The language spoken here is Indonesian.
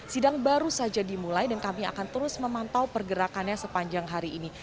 sidang baru saja dimulai dan kami akan terus memantau pergerakannya sepanjang hari ini